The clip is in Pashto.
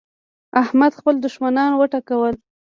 احمد خپل دوښمنان وټکول.